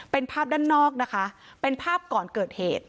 เป็นภาพด้านนอกนะคะเป็นภาพก่อนเกิดเหตุ